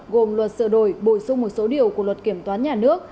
gồm luật sửa đổi bổ sung một số điều của luật kiểm toán nhà nước